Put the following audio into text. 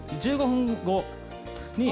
１５分後に。